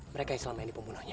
mereka yang selama ini pembunuhnya